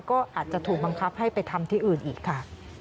ก็อาจจะถูกบังคับให้ไปทำที่อื่นอีกค่ะ